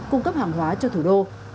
cung cấp hàng hóa cho thủ đô